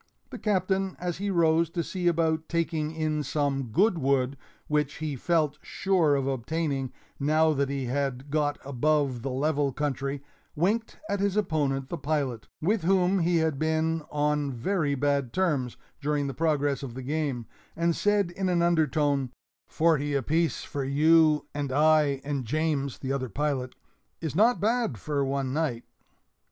The Captain, as he rose to see about taking in some good wood, which he felt sure of obtaining now that he had got above the level country, winked at his opponent, the pilot, with whom he had been on very bad terms during the progress of the game, and said, in an undertone, "Forty apiece for you and I and James" [the other pilot] "is not bad for one night."